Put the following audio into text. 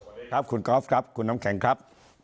ขอบคุณครับคุณกอล์ฟครับคุณน้ำแข็งครับ